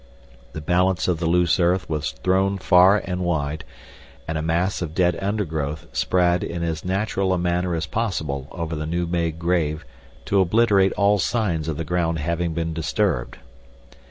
The balance of the loose earth was thrown far and wide, and a mass of dead undergrowth spread in as natural a manner as possible over the new made grave to obliterate all signs of the ground having been disturbed.